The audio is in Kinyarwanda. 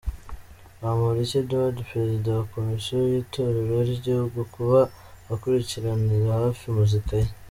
Bamporiki Edouard Perezida wa Komisiyo y'Itorero ry'Igihugu kuba akurikiranira hafi muzika ye.